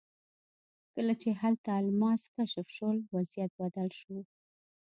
کله چې هلته الماس کشف شول وضعیت بدل شو.